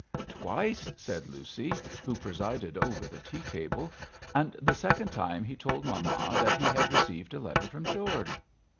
'Twice!' said Lucy, who presided over the tea table; 'and the second time he told mamma that he had received a letter from George.'